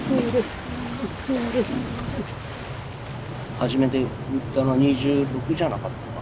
初めて撃ったのは２６じゃなかったかな。